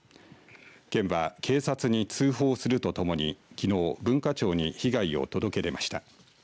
県は警察に通報するとともにきのう文化庁に被害を届け出ました。